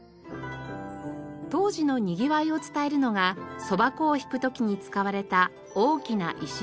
当時のにぎわいを伝えるのがそば粉をひく時に使われた大きな石臼。